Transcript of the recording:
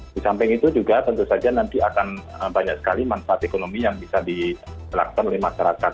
di samping itu juga tentu saja nanti akan banyak sekali manfaat ekonomi yang bisa dilakukan oleh masyarakat